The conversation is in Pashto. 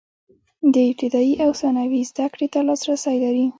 دوی ابتدايي او ثانوي زده کړې ته لاسرسی لري.